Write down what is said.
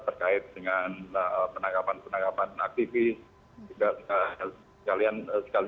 terkait dengan penangkapan penangkapan aktivis juga